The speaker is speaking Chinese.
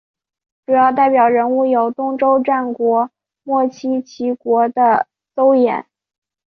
主要代表人物有东周战国末期齐国的邹衍。